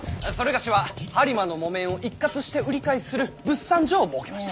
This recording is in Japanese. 某は播磨の木綿を一括して売り買いする物産所を設けました。